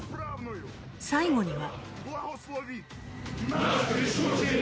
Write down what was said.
最後には。